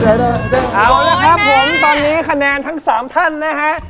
เอาละครับผมตอนนี้คะแนนทั้ง๓ท่านนะฮะ